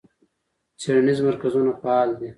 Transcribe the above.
څیړنیز مرکزونه فعال دي.